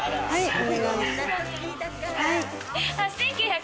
はい。